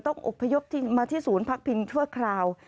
ต้องอุปยกมาที่ศูนย์พักพินทั่วคราว